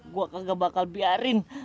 gua kagak bakal biarin